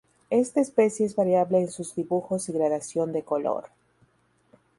Esta especie es variable en sus dibujos y gradación de color.